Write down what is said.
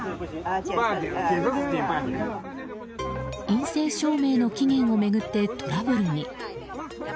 陰性証明の期限を巡ってトラブルに。